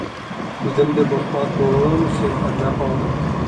Үҙемде бошмаҫ булыуым өсөн әрләп алдым.